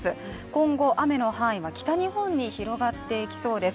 今後雨の範囲は北日本に広がっていきそうです。